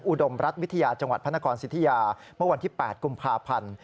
อุดมรัฐวิทยาจังหวัดพระนครสิทธิยาเมื่อวันที่๘กุมภาพันธ์